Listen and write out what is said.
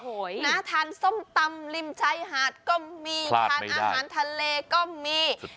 โหยน้าทานส้มตำริมใจหาดก็มีพลาดไม่ได้ทานอาหารทะเลก็มีสุดยอด